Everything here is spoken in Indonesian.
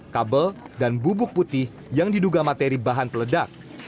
kabel dan bubuk putih yang diduga materi bahan peledak